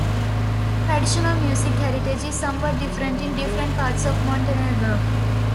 Traditional music heritage is somewhat different in different parts of Montenegro.